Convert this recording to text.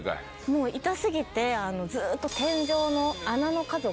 もう痛過ぎてずっと。